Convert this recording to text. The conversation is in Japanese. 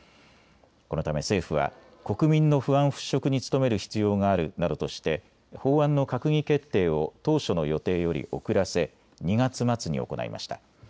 このため政府は国民の不安払拭に努める必要があるなどとして法案の閣議決定を当初の予定より遅らせ、２月末に行いました。